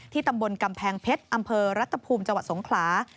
ที่ตำบลกำแพงเพชรอำเภอรัฐภูมิจสงขลา